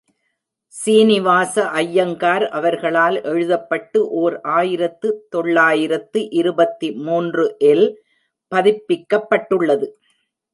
சீனிவாச அய்யங்கார் அவர்களால் எழுதப்பட்டு, ஓர் ஆயிரத்து தொள்ளாயிரத்து இருபத்து மூன்று ல் பதிப்பிக்கப்பட்டுள்ளது.